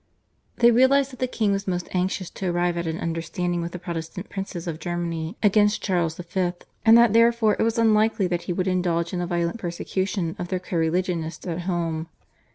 They realised that the king was most anxious to arrive at an understanding with the Protestant princes of Germany against Charles V., and that therefore it was unlikely that he would indulge in a violent persecution of their co religionists at home.